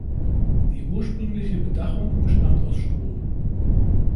Die ursprüngliche Bedachung bestand aus Stroh.